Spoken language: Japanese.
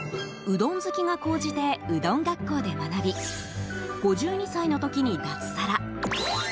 うどん好きが高じてうどん学校で学び５２歳の時に脱サラ。